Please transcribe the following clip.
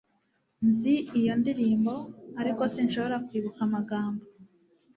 nzi iyo ndirimbo, ariko sinshobora kwibuka amagambo